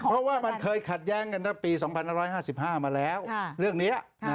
เพราะว่ามันเคยขัดแย้งกันตั้งแต่ปี๒๕๕มาแล้วเรื่องนี้